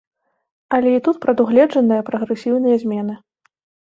Але і тут прадугледжаныя прагрэсіўныя змены.